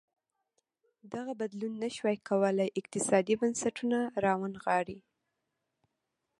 دغه بدلون نه ش وای کولی اقتصادي بنسټونه راونغاړي.